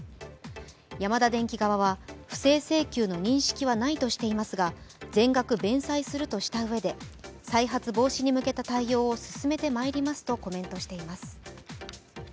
ヤマダデンキ側は不正請求の認識はないとしていますが全額弁済するとしたうえで再発防止に向けた対応を進めてまいりますとコメントしています。